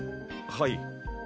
はい。